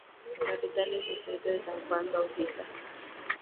Su capital es el distrito de San Juan Bautista.